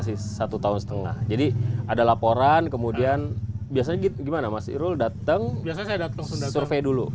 satu tahun setengah jadi ada laporan kemudian biasanya gimana masih rule dateng dateng dulu